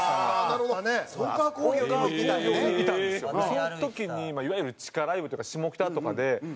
その時にいわゆる地下ライブというか下北とかで。